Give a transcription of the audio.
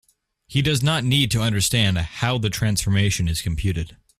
He does not need to understand how the transformation is computed.